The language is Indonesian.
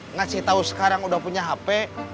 ngasih tahu sekarang udah punya hp